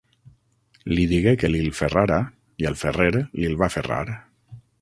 Li digué que li’l ferrara, i el ferrer li’l va ferrar.